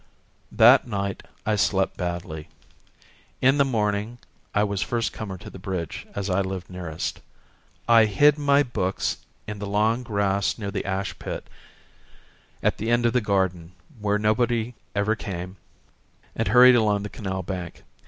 That night I slept badly. In the morning I was first comer to the bridge as I lived nearest. I hid my books in the long grass near the ashpit at the end of the garden where nobody ever came and hurried along the canal bank.